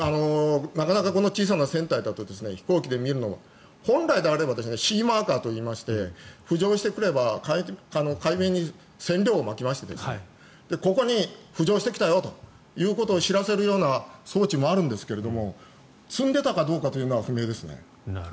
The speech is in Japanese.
なかなかこの小さな船体だと飛行機で見るのは本来であればシーマーカーといいまして浮上してくれば海面に染料をまきましてここに浮上してきたよと知らせるような装置もあるんですけども積んでいたかどうかというのは不明ですね。